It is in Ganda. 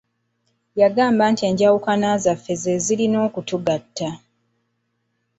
Yagamba nti enjawukana zaffe ze zirina okutugatta.